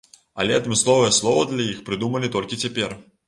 Але адмысловае слова для іх прыдумалі толькі цяпер.